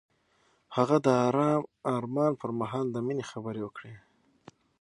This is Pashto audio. هغه د آرام آرمان پر مهال د مینې خبرې وکړې.